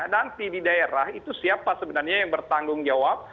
nanti di daerah itu siapa sebenarnya yang bertanggung jawab